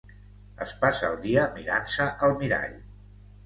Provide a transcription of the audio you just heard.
Es passa el dia mirant-se al mirall.